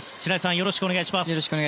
よろしくお願いします。